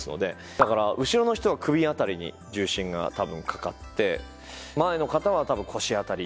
だから後ろの人は首辺りに重心が多分かかって前の方は多分腰辺りに重心がかかる。